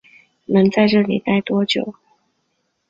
能在这里待多久